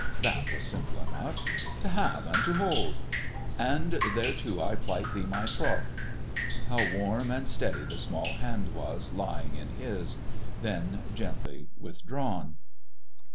_" This was simple enough—"To have and to hold:" "And thereto I plight thee my troth." How warm and steady the small hand was, lying in his: then gently withdrawn.